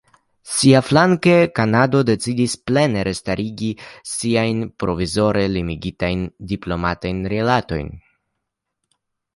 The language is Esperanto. Siaflanke Kanado decidis plene restarigi siajn provizore limigitajn diplomatajn rilatojn.